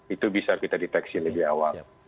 itu bisa kita deteksi lebih awal